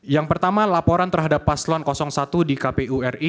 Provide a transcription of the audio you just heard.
yang pertama laporan terhadap paslon satu di kpu ri